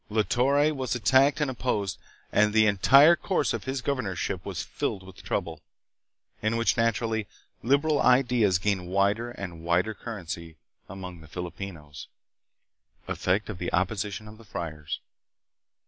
La Torre was attacked and opposed, and the entire course of his governorship was filled with trouble, in which, naturally, liberal ideas gained wider and wider currency among the Filipinos. PROGRESS AXD REVOLUTION. 1837 1897. 279 Effect of the Opposition of the Friars.